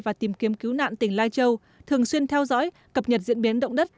và tìm kiếm cứu nạn tỉnh lai châu thường xuyên theo dõi cập nhật diễn biến động đất